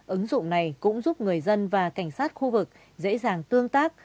ứng dụng này cũng giúp người dân và cảnh sát khu vực dễ dàng tương tác